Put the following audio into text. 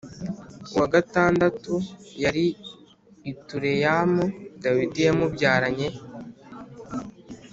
Uwa gatandatu yari itureyamu dawidi yamubyaranye